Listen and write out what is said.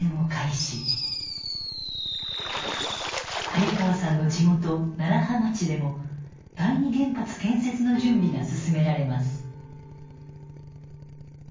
早川さんの地元楢葉町でも第二原発建設の準備が進められます。